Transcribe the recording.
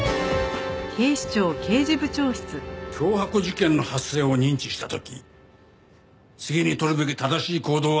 脅迫事件の発生を認知した時次に取るべき正しい行動は我々への報告だ。